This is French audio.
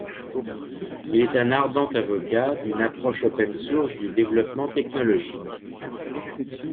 Il est un ardent avocat d'une approche open source du développement technologique.